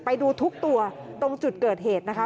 ไปดูทุกตัวตรงจุดเกิดเหตุนะคะ